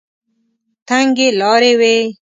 تنګې لارې وې.